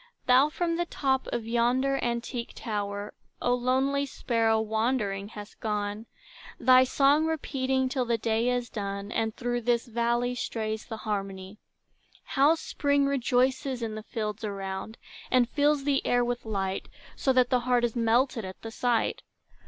Thou from the top of yonder antique tower, O lonely sparrow, wandering, hast gone, Thy song repeating till the day is done, And through this valley strays the harmony. How Spring rejoices in the fields around, And fills the air with light, So that the heart is melted at the sight!